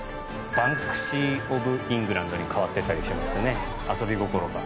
「バンクシーオブイングランド」に変わってたりしますね。